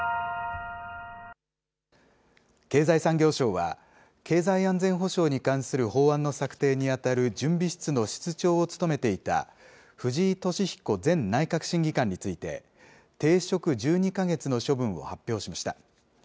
経済産業省は、経済安全保障に関する法案の策定に当たる準備室の室長を務めていた、藤井敏彦前内閣審議官について、停職１２か月の処分を発表しました。